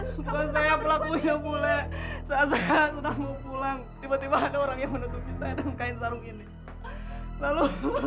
saya pelakunya mulai pulang tiba tiba ada orang yang menutupi kain sarung ini lalu